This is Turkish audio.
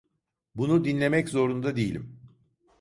Bunu dinlemek zorunda değilim.